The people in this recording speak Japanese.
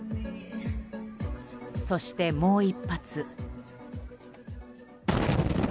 そして、もう一発。